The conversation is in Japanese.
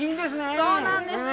そうなんですよ。